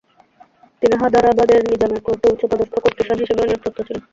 তিনি হাদারাবাদের নিজামের কোর্টে উচ্চ পদস্থ কোর্টিসান হিসেবেও নিয়োগপ্রাপ্ত ছিলেন।